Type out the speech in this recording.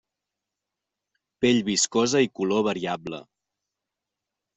Pell viscosa i color variable.